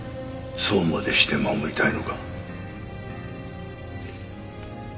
そうまでして守りたいのか？